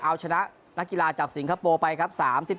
เอาชนะนักกีฬาจากสิงคโปร์ไปครับ